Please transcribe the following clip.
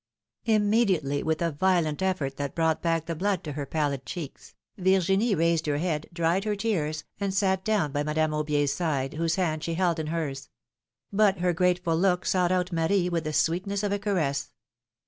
'^ Immediately, with a violent effort that brought back the blood to her pallid cheeks, Virginie raised her head, dried her tears, and sat down by Madame AubiePs side, whose hand she held in hers ; but her grateful look sought out Marie with the sweetness of a caress.